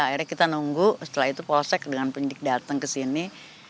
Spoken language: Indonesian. akhirnya kita nunggu setelah itu polsek dengan pendidik dateng kesini